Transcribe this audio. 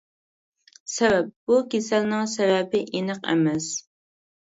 سەۋەب : بۇ كېسەلنىڭ سەۋەبى ئېنىق ئەمەس.